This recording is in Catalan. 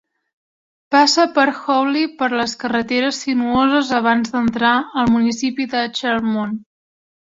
Passa per Hawley per les carreteres sinuoses abans d'entrar al municipi de Charlemont.